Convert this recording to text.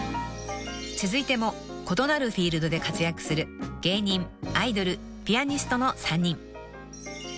［続いても異なるフィールドで活躍する芸人アイドルピアニストの３人］